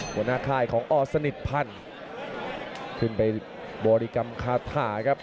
หัวหน้าคลายของอศนิษฐ์พันธ์ขึ้นไปบริกรรมคาถาครับ